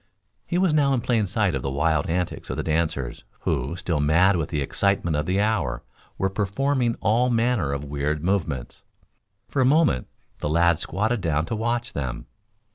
He was now in plain sight of the wild antics of the dancers, who, still mad with the excitement of the hour, were performing all manner of weird movements. For a moment, the lad squatted down to watch them.